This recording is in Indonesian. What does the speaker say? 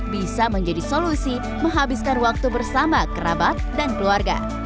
bisa menjadi solusi menghabiskan waktu bersama kerabat dan keluarga